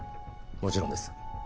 もちろんです。